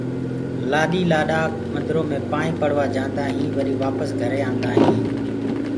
لآڏي لآڏآ مندرو مي پائينٚ پڙدآ هينٚ وري وآپس گھري آندآ هينٚ